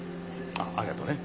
あっありがとね。